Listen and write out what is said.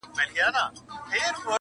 زما د نیکه ستا د ابا دا نازولی وطن-